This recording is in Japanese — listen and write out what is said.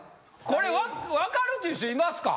これ分かるって人いますか？